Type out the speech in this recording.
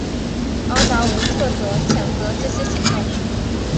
而达维特则谴责这些行动。